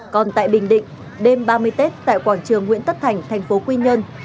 còn tại bình định đêm ba mươi tết tại quảng trường nguyễn tất thành thành phố quy nhơn